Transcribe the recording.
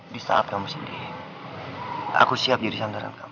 bisa kamu sendiri aku siap jadi santaran kamu